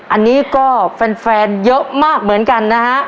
อันนี้ก็แฟนเยอะมากเหมือนกันนะฮะ